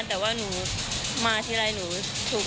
แต่ว่าหนูมาทีไรหนูถูก